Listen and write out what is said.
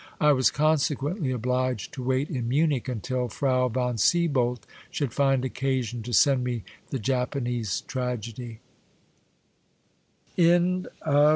I was consequently obliged to wait in Munich until Frau von Sieboldt should find occasion to send me the Japanese tragedy.